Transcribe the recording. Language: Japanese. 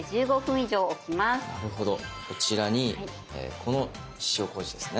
こちらにこの塩麹ですね